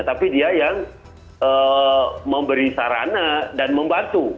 tapi dia yang memberi sarana dan membantu